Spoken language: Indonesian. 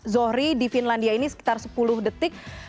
zohri di finlandia ini sekitar sepuluh detik